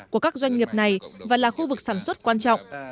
của các doanh nghiệp này và là khu vực sản xuất quan trọng